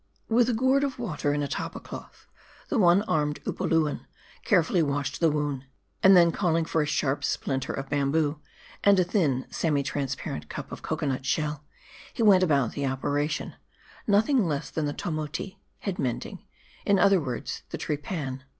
With a gourd of water, and a tappa cloth, the one armed Upoluan carefully washed the wound ; and then calling for a sharp splinter of bamboo, and a thin, semi transparent cup of cocoa nut shell, he went about the operation : nothing less than the "Tomoti" (head mending), in other words the trepan.